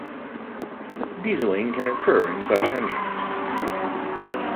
Dieseling can occur in such engines.